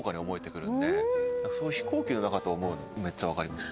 飛行機の中と思うのめっちゃ分かります。